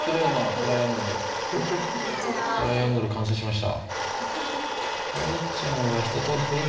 トライアングル完成しました。